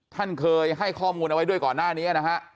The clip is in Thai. ท่านเคยให้ข้อมูลเอาไว้ด้วยก่อนหน้านี้นะฮะ